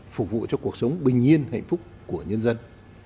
phục vụ cho cuộc sống bình yên hạnh phúc của nhân dân